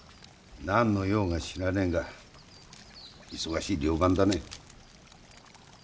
何の用か知らねえが忙しい寮番だね。